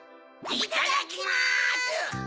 いただきます！